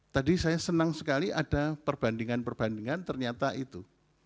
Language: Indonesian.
tadi saya senang sekali ada perbandingan perbandingan ternyata itu